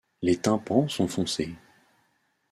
Les tympans sont foncés.